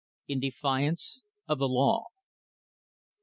IN DEFIANCE OF THE LAW.